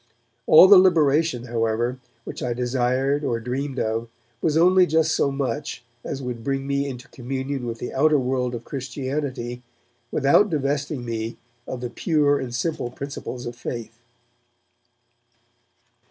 All the liberation, however, which I desired or dreamed of was only just so much as would bring me into communion with the outer world of Christianity without divesting me of the pure and simple principles of faith.